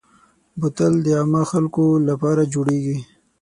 بوتل د عامو خلکو لپاره جوړېږي.